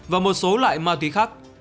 và một số loại ma túy khác